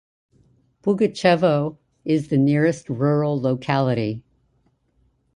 Pugachevo is the nearest rural locality.